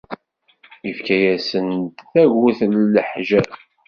Ifka-asen-d tagut d leḥǧab.